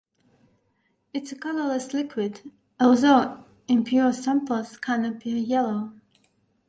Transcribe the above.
It is a colorless liquid, although impure samples can appear yellow.